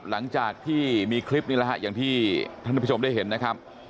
หลังจากที่มีคลิปนี้แล้วฮะอย่างที่ท่านผู้ชมได้เห็นนะครับ